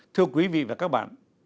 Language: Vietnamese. thưa quý vị và các bạn